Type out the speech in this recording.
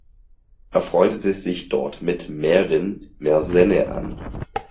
Er freundete sich dort mit Marin Mersenne an.